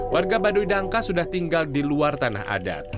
warga baduy dangka sudah tinggal di luar tanah adat